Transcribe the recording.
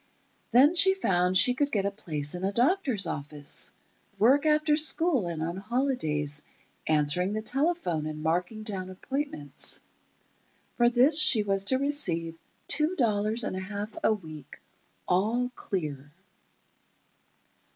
Then she found she could get a place in a doctor's office—work after school and on holidays—answering the telephone and marking down appointments. For this she was to receive two dollars and a half a week—all clear.